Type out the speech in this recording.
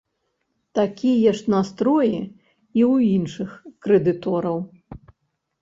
Такія ж настроі і ў іншых крэдытораў.